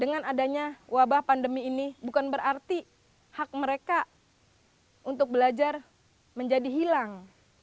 dengan adanya wabah pandemi ini bukan berarti hak mereka untuk belajar menjadi hilang